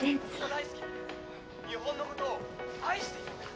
日本のことを愛しているんだ！